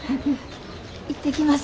行ってきます。